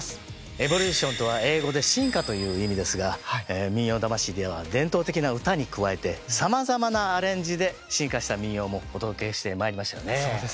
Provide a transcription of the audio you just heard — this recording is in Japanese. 「エボリューション」とは英語で「進化」という意味ですが「民謡魂」では伝統的な唄に加えてさまざまなアレンジで進化した民謡もお届けしてまいりましたよね。